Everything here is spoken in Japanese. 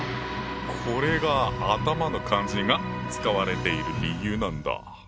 これが「頭」の漢字が使われている理由なんだ。